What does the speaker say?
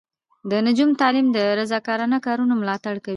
د نجونو تعلیم د رضاکارانه کارونو ملاتړ کوي.